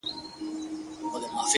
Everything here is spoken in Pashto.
توره مي تر خپلو گوتو وزي خو؛